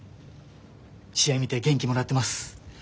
試合見て元気もらってます。